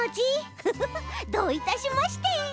フフフどういたしまして。